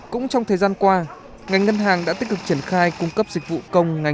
cũng trong thời gian qua ngành ngân hàng đã tích cực triển khai cung cấp dịch vụ công ngành